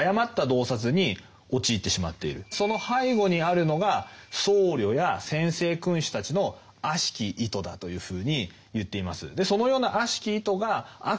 その背後にあるのが僧侶や専制君主たちの悪しき意図だというふうに言っています。